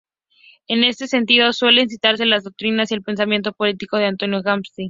En este sentido suelen citarse las doctrinas y el pensamiento político de Antonio Gramsci.